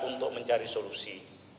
untuk mencari solusi